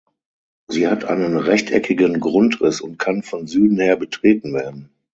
Sie hat einen rechteckigen Grundriss und kann von Süden her betreten werden.